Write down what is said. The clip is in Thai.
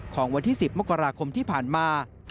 ของวันที่๑๐มกราคมที่ผ่านมา